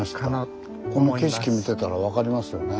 この景色見てたら分かりますよね。